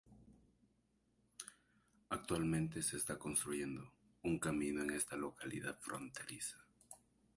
Actualmente se está construyendo un camino a esta localidad fronteriza.